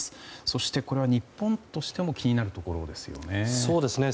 そして、これは日本としても気になるところですよね。